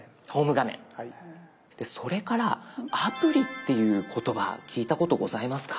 それから「アプリ」っていう言葉聞いたことございますか？